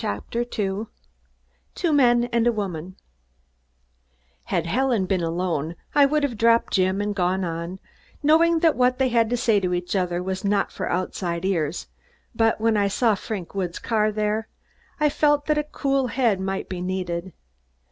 CHAPTER TWO TWO MEN AND A WOMAN Had Helen been alone, I would have dropped Jim and gone on, knowing that what they had to say to each other was not for outside ears, but when I saw Frank Woods' car there, I felt that a cool head might be needed.